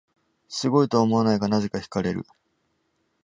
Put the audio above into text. すごいとは思わないが、なぜか惹かれる